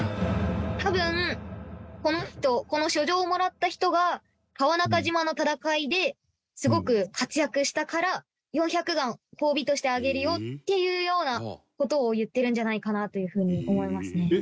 多分この人この書状をもらった人が川中島の戦いですごく活躍したから４００貫褒美としてあげるよっていうような事を言ってるんじゃないかなという風に思いますね。